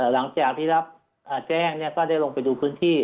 หลังจากที่รับแจ้งก็ได้ลงไปดูพื้นที่